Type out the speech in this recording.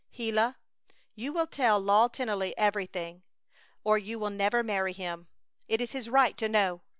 "Gila, you will tell Lew Tennelly everything, or you will never marry him! It is his right to know!